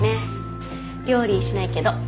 料理しないけど。